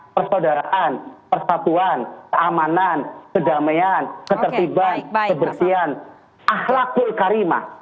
persaudaraan persatuan keamanan kedamaian ketertiban kebersihan ahlakul karimah